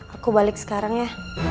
aku balik sekarang ya